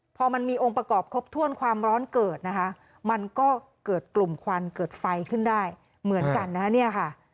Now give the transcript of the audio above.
พอมันมีองค์ประกอบครบถ้วนความร้อนเกิดนะคะมันก็เกิดกลุ่มควันเกิดไฟขึ้นได้เหมือนกันนะฮะเนี่ยค่ะ